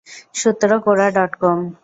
সূত্র Quora dot কম।